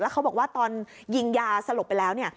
เขาบอกว่าตอนยิงยาสลบไปแล้ว